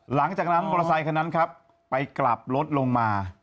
หลังจากนั้นมอเตอร์ไซคันนั้นครับไปกลับรถลงมา